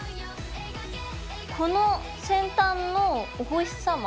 この先端のお星さま？